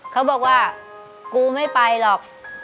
เขาบอกว่ากูไม่ไปหรอก